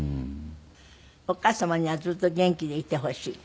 お母様にはずっと元気でいてほしい？